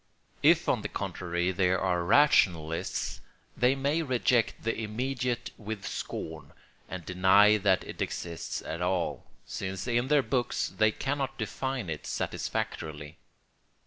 If on the contrary they are rationalists they may reject the immediate with scorn and deny that it exists at all, since in their books they cannot define it satisfactorily.